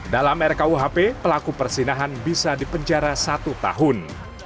dalam rkuhp pelaku persinahan bisa dipenjara satu tahun